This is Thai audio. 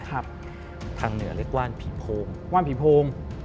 ทางเหนือเรียกว่าว่านผีพรง